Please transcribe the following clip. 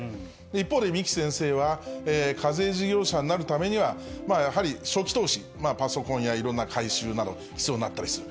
一方で、三木先生は、課税事業者になるためには、やはり初期投資、パソコンやいろんな改修など、必要になったりする。